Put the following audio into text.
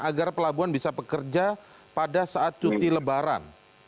agar pelabuhan bisa bekerja pada saat cuti lebaran